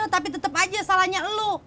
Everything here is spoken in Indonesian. tapi tetep aja salahnya lo